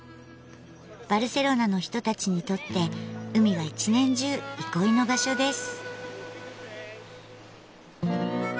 バルセロナの人たちにとって海は一年中憩いの場所です。